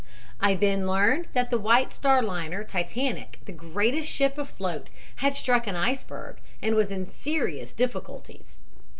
I then learned that the White Star liner Titanic, the greatest ship afloat, had struck an iceberg and was in serious difficulties.